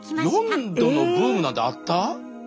４度のブームなんてあった？